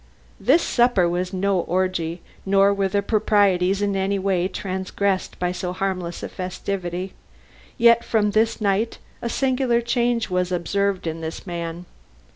This supper was no orgy, nor were the proprieties in any way transgressed by so harmless a festivity; yet from this night a singular change was observed in this man.